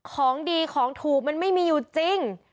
ของดีของถูกมันไม่มีอยู่จริง